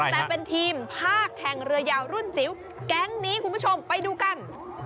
แต่เป็นทีมภาคแข่งเรือยาวรุ่นจิ๋วแก๊งนี้คุณผู้ชมไปดูกัน